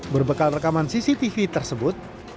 berbekal rekaman cctv tersebut